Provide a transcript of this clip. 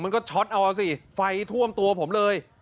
ช็อตเอาเอาสิไฟท่วมตัวผมเลย